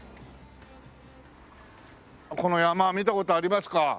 この山見た事ありますか？